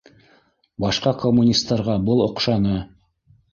Башҡа коммунистарға был оҡшаны